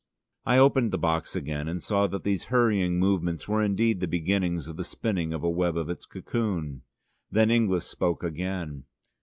I opened the box again, and saw that these hurrying movements were indeed the beginning of the spinning of the web of its cocoon. Then Inglis spoke again.